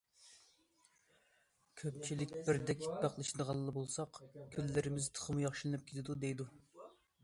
كۆپچىلىك بىردەك ئىتتىپاقلىشىدىغانلا بولساق، كۈنلىرىمىز تېخىمۇ ياخشىلىنىپ كېتىدۇ، دەيدۇ.